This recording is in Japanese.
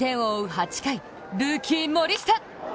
８回、ルーキー・森下。